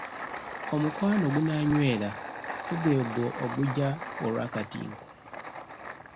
Omukwano ogunaanywera si gwe gwo ogujja olw’akatinko.